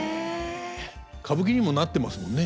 歌舞伎にもなってますもんね。